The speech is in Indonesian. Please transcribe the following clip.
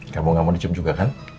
kamu gak mau dijem juga kan